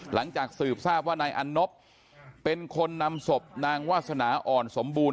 หลังจากสืบทราบว่านายอันนบเป็นคนนำศพนางวาสนาอ่อนสมบูรณ